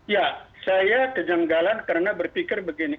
ya saya kejanggalan karena berpikir begini